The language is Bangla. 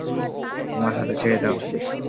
আমার হাতে ছেড়ে দাও!